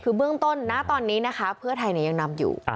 คือเบื้องต้นนะตอนนี้นะคะเพื่อไทยยังนำอยู่